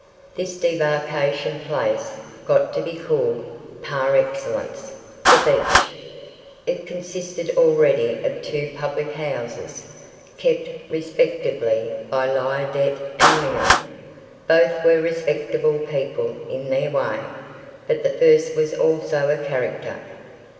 This debarkation place got to be called, par excellence, "The Beach." It consisted already of two public houses, kept respectively by Liardet and Lingham. Both were respectable people in their way, but the first was also a character.